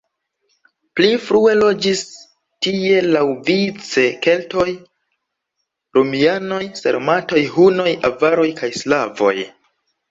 Pli frue loĝis tie laŭvice keltoj, romianoj, sarmatoj, hunoj, avaroj kaj slavoj.